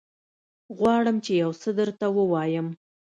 غواړم چې يوڅه درته ووايم.